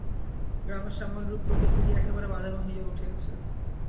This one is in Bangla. গ্রামের শ্যামল রূপ রোদে পুড়িয়া একেবারে বাদামি হইয়া উঠিয়াছে।